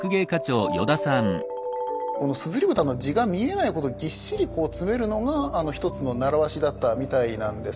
この硯蓋の地が見えないほどぎっしり詰めるのが一つの習わしだったみたいなんです。